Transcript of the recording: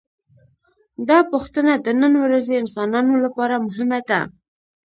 دا پوښتنه د نن ورځې انسانانو لپاره مهمه ده.